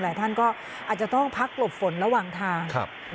หลายท่านก็อาจจะต้องพักหลบฝนระหว่างทาง